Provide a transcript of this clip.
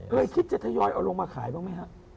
เคยคิดจะทยเอาลงมาขายบ้างมั้ยครับ